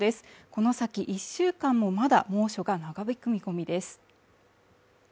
この先１週間もまだ猛暑が長引く見込みです